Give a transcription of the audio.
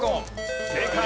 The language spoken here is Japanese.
正解。